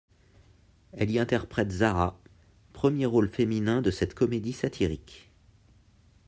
Elle y interprète Zara, premier rôle féminin de cette comédie satirique.